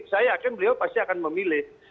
saya yakin beliau pasti akan memilih